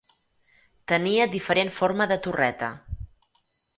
Tenia diferent forma de torreta.